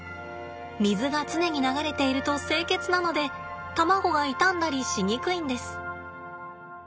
水が常に流れていると清潔なので卵が傷んだりしにくいんです。